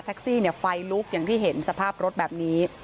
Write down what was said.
ไฟลุกอย่างที่เห็นสภาพรถแบบนี้